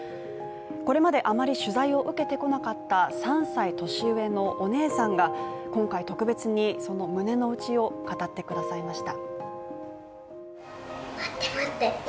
これまであまり取材を受けてこなかった３歳年上のお姉さんが、今回特別に、その胸の内を語ってくださいました。